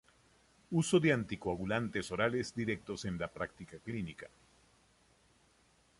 Uso de anticoagulantes orales directos en la práctica clínica.